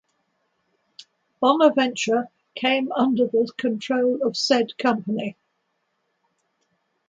Bonaventure came under the control of said company.